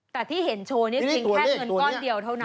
พี่เห็นโชว์นี้ที่แค่เงินก้อนเดียวเท่านั้น